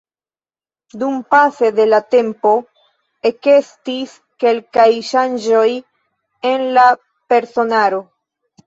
Dumpase de la tempo ekestis kelkaj ŝanĝoj en la personaro.